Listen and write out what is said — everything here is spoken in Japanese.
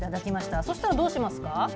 そしたらどうしますか。